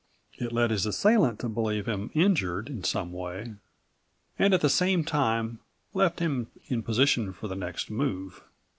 It led his assailant to believe him injured in some way43 and at the same time left him in position for the next move.